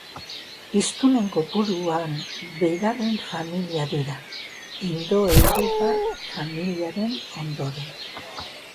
Hiztunen kopuruan bigarren familia dira, indoeuropar familiaren ondoren.